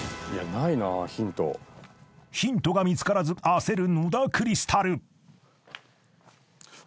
［ヒントが見つからず焦る野田クリスタル］